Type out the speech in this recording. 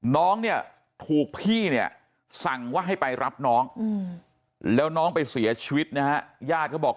น้องเนี่ยถูกพี่เนี่ยสั่งว่าให้ไปรับน้องแล้วน้องไปเสียชีวิตนะฮะญาติเขาบอก